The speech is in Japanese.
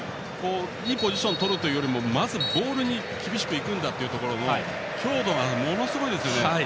いいポジションをとろうというよりもまずボールに厳しく行くんだというところの強度がものすごいですよね。